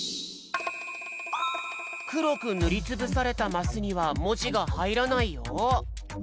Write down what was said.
くろくぬりつぶされたマスにはもじがはいらないよ。